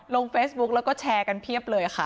ลงเฟซบุ๊กแล้วก็แชร์กันเพียบเลยค่ะ